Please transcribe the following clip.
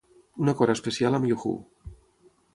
Un acord especial amb Yahoo!